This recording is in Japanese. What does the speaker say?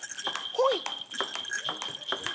ほい。